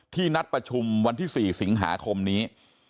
นัดประชุมวันที่๔สิงหาคมนี้